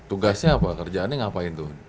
tugasnya apa kerjaannya ngapain tuh